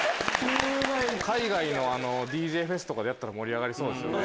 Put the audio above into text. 海外のＤＪフェスとかでやったら盛り上がりそうですよね。